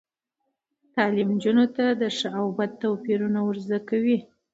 تعلیم نجونو ته د ښه او بد توپیر ور زده کوي.